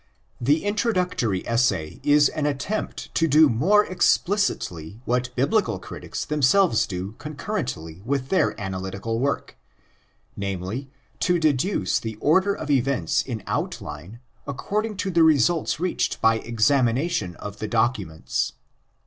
The introductory essay is an attempt to do more ex plicitly what Biblical critics themselves do concurrently with their analytic work—namely, to deduce the order of events in outline according to the results reached by ex amination of the documents.